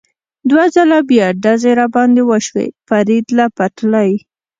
دوه ځله بیا ډزې را باندې وشوې، فرید له پټلۍ.